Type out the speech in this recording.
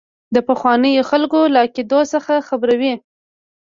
د پخوانیو خلکو له عقیدو څخه خبروي.